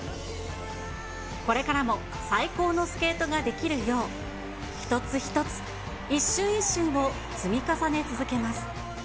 これからも最高のスケートができるよう、一つ一つ、一瞬一瞬を積み重ね続けます。